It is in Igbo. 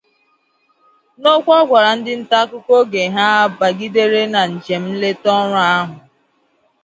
N'okwu ọ gwara ndị ntaakụkọ oge ha bagidere na njem nleta ọrụ ahụ